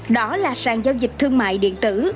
đó là sàn giao dịch thương mại điện tử